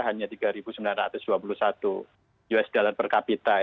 hanya tiga sembilan ratus dua puluh satu usd per kapita